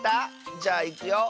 じゃあいくよ。